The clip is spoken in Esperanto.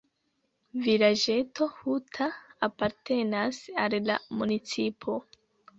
Vilaĝeto "Huta" apartenas al la municipo.